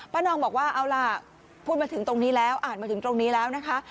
นองบอกว่าเอาล่ะพูดมาถึงตรงนี้แล้วอ่านมาถึงตรงนี้แล้วนะคะ